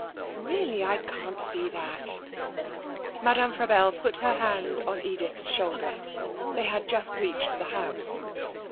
'Really, I can't see that.' Madame Frabelle put her hand on Edith's shoulder. They had just reached the house.